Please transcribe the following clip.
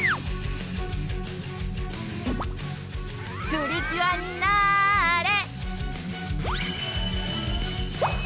プリキュアになれ！